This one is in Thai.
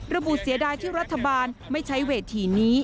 เสียดายที่รัฐบาลไม่ใช้เวทีนี้